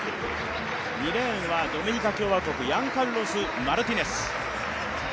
２レーンはドミニカ共和国ヤンカルロス・マルティネス。